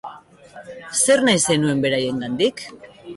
Zer nahi zenuen beraiengandik?